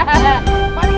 abang duk ada makanan